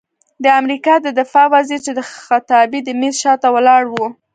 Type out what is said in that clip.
د امریکا د دفاع وزیر چې د خطابې د میز شاته ولاړ و،